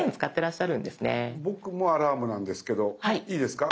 僕もアラームなんですけどいいですか。